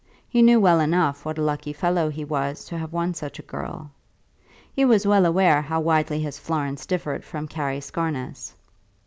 He knew well enough what a lucky fellow he was to have won such a girl. He was well aware how widely his Florence differed from Carry Scarness.